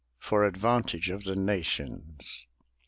For advantage of the nations.